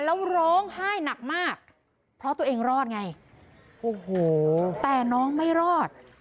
แล้วร้องไห้หนักมากเพราะตัวเองรอดไงโอ้โหแต่น้องไม่รอด